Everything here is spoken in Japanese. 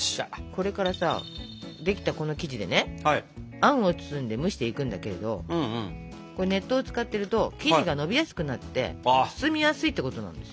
これからさできたこの生地でねあんを包んで蒸していくんだけれどこれ熱湯を使ってると生地がのびやすくなって包みやすいってことなんです。